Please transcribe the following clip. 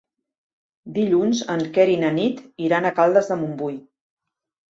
Dilluns en Quer i na Nit iran a Caldes de Montbui.